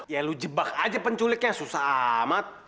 ya lu jebak aja penculiknya susah amat